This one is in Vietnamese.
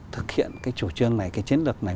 thực hiện cái chủ trương này cái chiến lược này